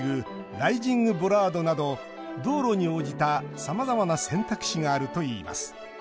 ライジングボラードなど道路に応じた、さまざまな選択肢があるといいます。